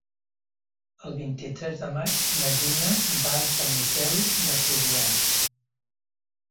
El vint-i-tres de maig na Gina va a Sant Miquel de Fluvià.